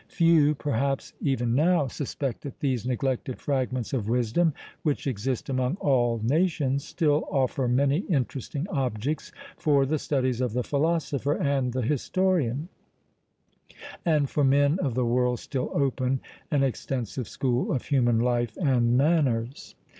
Few, perhaps, even now, suspect that these neglected fragments of wisdom, which exist among all nations, still offer many interesting objects for the studies of the philosopher and the historian; and for men of the world still open an extensive school of human life and manners.